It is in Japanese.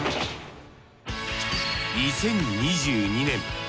２０２２年。